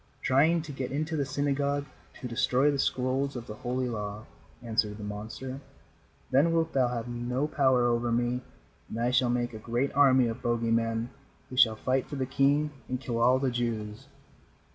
"Trying to get into the synagogue to destroy the scrolls of the Holy Law," answered the monster. "Then wilt thou have no power over me, and I shall make a great army of bogey men who shall fight for the king and kill all the Jews."